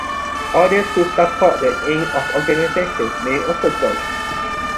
Others who support the aims of the organization may also join.